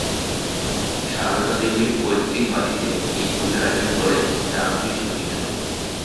সারদা দেবীর পৈতৃক বাড়িতে এই পূজার আয়োজন করে রামকৃষ্ণ মিশন।